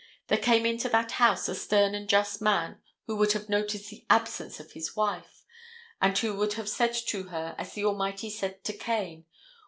There came into that house a stern and just man who would have noticed the absence of his wife, and who would have said to her, as the Almighty said to Cain.